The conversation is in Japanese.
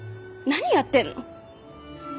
何やってるの！？